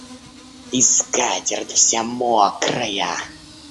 И скатерть вся мокрая.